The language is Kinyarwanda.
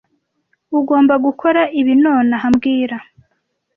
Ugomba gukora ibi nonaha mbwira